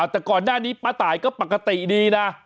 แต่ก่อนหน้านี้ป้าตายก็ปกติดีนะ